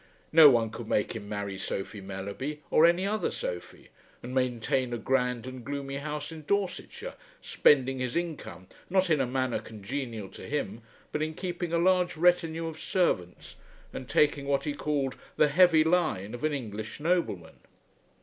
No one could make him marry Sophie Mellerby, or any other Sophie, and maintain a grand and gloomy house in Dorsetshire, spending his income, not in a manner congenial to him, but in keeping a large retinue of servants and taking what he called the "heavy line" of an English nobleman.